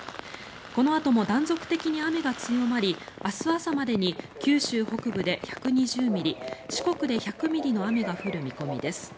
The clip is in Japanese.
このあとも断続的に雨が強まり明日朝までに九州北部で１２０ミリ四国で１００ミリの雨が降る見込みです。